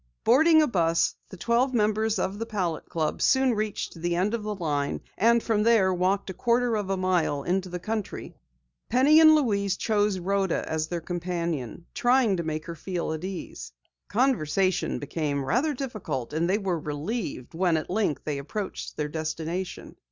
Boarding a bus, the twelve members of the Palette Club soon reached the end of the line, and from there walked a quarter of a mile into the country. Penny and Louise chose Rhoda as their companion, trying to make her feel at ease. Conversation became rather difficult and they were relieved when, at length, they approached their destination.